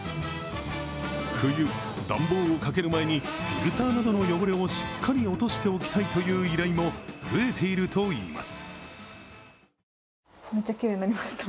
冬、暖房をかける前にフィルターなどの汚れをしっかり落としておきたいという依頼も増えているといいます。